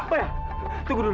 baik tunggu dulu